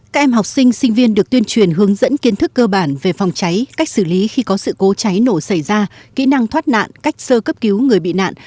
các em học sinh sinh viên được tuyên truyền hướng dẫn kiến thức cơ bản về phòng cháy cách xử lý khi có sự cố cháy nổ xảy ra kỹ năng thoát nạn cách sơ cấp cứu người bị nạn